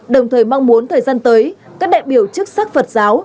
đồng thời mong muốn thời gian tới các đại biểu chức sắc phật giáo